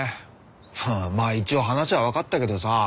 まあ一応話は分かったけどさ。